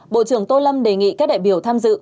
bộ trưởng tô lâm đề nghị các đại biểu tham dự